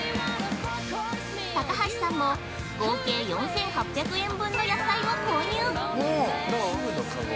高橋さんも、合計４８００円分の野菜を購入。